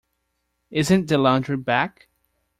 Isn't the laundry back?